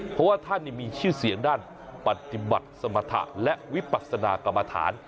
เพราะว่าท่านมีชื่อเสียงด้านปฏิบัติสมรรถะและวิปัสนากรรมฐาน